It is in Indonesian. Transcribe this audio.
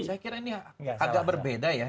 saya kira ini agak berbeda ya